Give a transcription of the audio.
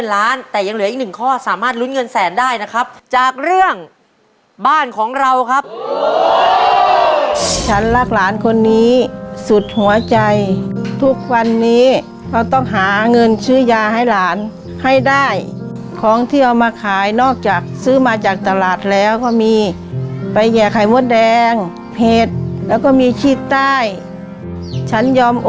แล้วเราไปรุ้นเลือก๑ล้านบาทกันในห้อนที่เหลือนะครับ